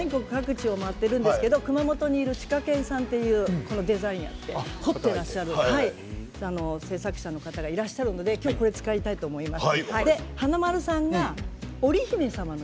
全国各地を回っているんですが熊本にいるＣＨＩＫＡＫＥＮさんというデザインを彫っていらっしゃる制作者の方がいらっしゃるので今日これを使いたいと思います。